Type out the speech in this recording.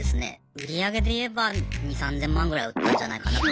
売り上げでいえば２０００３０００万ぐらい売ったんじゃないかなと思いますけど。